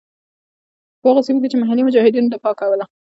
په هغو سیمو کې چې محلي مجاهدینو دفاع کوله.